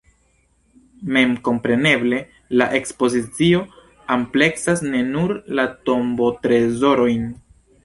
Memkompreneble la ekspozicio ampleksas ne nur la tombotrezorojn.